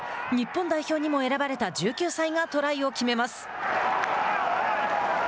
日本代表にも選ばれた１９歳がトライを決めます。